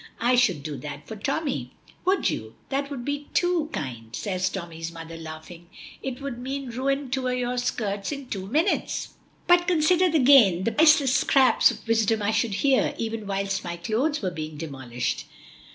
"I should do that for Tommy." "Would you? That would be too kind," says Tommy's mother, laughing. "It would mean ruin to your skirts in two minutes." "But, consider the gain. The priceless scraps, of wisdom I should hear, even whilst my clothes were being demolished."